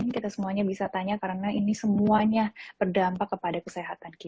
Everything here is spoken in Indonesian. kita semuanya bisa tanya karena ini semuanya berdampak kepada kesehatan kita